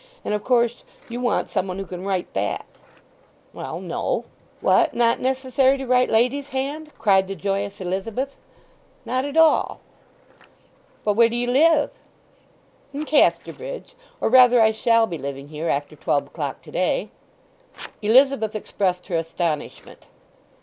And, of course, you want some one who can write that?" "Well, no." "What, not necessary to write ladies' hand?" cried the joyous Elizabeth. "Not at all." "But where do you live?" "In Casterbridge, or rather I shall be living here after twelve o'clock to day." Elizabeth expressed her astonishment.